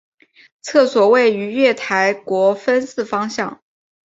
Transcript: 厕所位于月台国分寺方向。